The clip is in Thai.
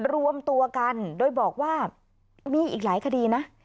รวมตัวกันโดยบอกว่ามีอีกหลายคดีนะ